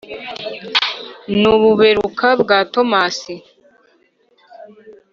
n’u buberuka bwa tomasi